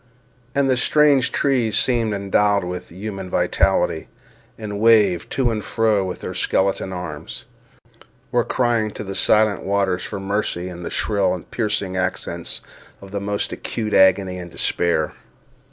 And the strange trees seemed endowed with a human vitality, and waving to and fro their skeleton arms, were crying to the silent waters for mercy, in the shrill and piercing accents of the most acute agony and despair.